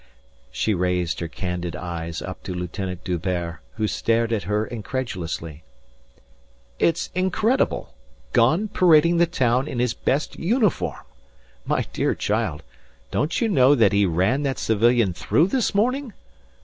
She raised her candid eyes up to Lieutenant D'Hubert, who stared at her incredulously. "It's incredible. Gone parading the town in his best uniform! My dear child, don't you know that he ran that civilian through this morning?